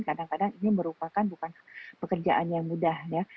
kadang kadang ini merupakan bukan pekerjaan yang mudah ya